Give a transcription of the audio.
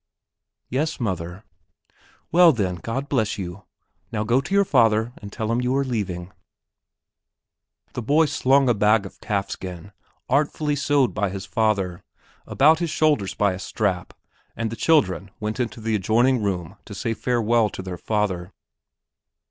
"Yes, mother." "Well, then, God bless you, now go to father and tell him you are leaving." The boy slung a bag of calfskin, artfully sewed by his father, about his shoulders by a strap and the children went into the adjoining room to say farewell to their father.